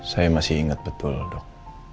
saya masih ingat betul dok